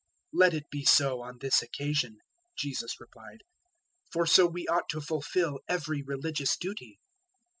003:015 "Let it be so on this occasion," Jesus replied; "for so we ought to fulfil every religious duty."